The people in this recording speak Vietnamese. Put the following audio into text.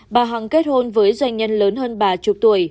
bà hằng kết hôn với doanh nhân lớn hơn bà chục tuổi